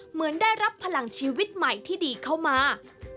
เหมือนได้รับพลังชีวิตใหม่ที่ดีเข้ามา